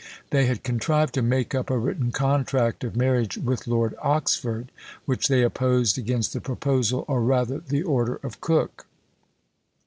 They had contrived to make up a written contract of marriage with Lord Oxford, which they opposed against the proposal, or rather the order, of Coke.